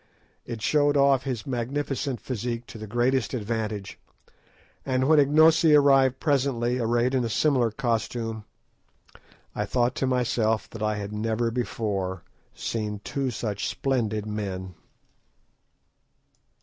It showed off his magnificent physique to the greatest advantage, and when Ignosi arrived presently, arrayed in a similar costume, I thought to myself that I had never before seen two such splendid men.